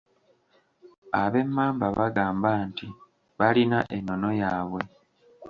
Ab'Emmamba bagamba nti balina ennono yaabwe.